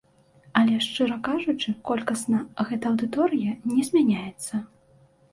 Але, шчыра кажучы, колькасна гэта аўдыторыя не змяняецца.